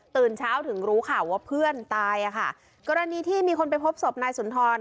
เช้าถึงรู้ข่าวว่าเพื่อนตายอ่ะค่ะกรณีที่มีคนไปพบศพนายสุนทร